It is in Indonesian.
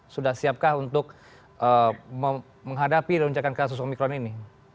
sudah siapkah untuk menghadapi lonjakan kasus omikron ini